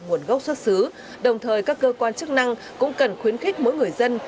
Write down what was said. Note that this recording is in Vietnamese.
nguồn gốc xuất xứ đồng thời các cơ quan chức năng cũng cần khuyến khích mỗi người dân